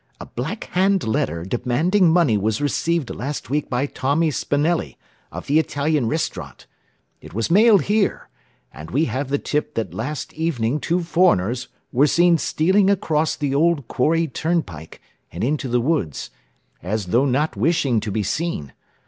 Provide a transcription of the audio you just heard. "A Black Hand letter demanding money was received last week by Tommy Spanelli, of the Italian restaurant. It was mailed here; and we have the tip that last evening two foreigners were seen stealing across the old quarry turnpike, and into the woods, as though not wishing to be seen.